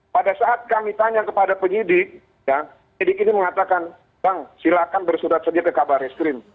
pada saat kami tanya kepada penyidik penyidik ini mengatakan bang silakan bersurat sedia ke kabar eskrim